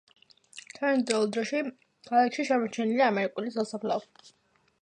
თანადროულ დროში ქალაქში შემორჩენილია ამერიკული სასაფლაო.